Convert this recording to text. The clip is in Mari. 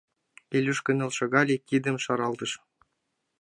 Илюш кынел шогале, кидым шаралтыш.